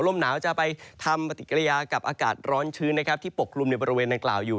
ลมหนาวจะไปทำปฏิกิริยากับอากาศร้อนชื้นนะครับที่ปกลุ่มในบริเวณดังกล่าวอยู่